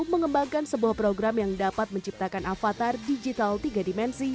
mengembangkan sebuah program yang dapat menciptakan avatar digital tiga dimensi